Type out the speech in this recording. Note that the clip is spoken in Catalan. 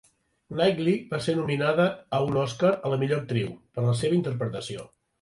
Knightley va ser nominada a un Òscar a la millor Actriu per la seva interpretació.